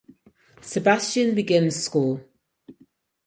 Sebastian begins school.